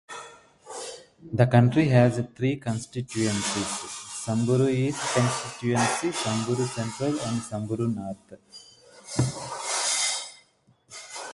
The county has three constituencies: Samburu East Constituency, Samburu Central and Samburu North Constituency.